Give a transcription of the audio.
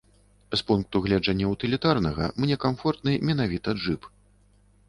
З пункту гледжання утылітарнага, мне камфортны менавіта джып.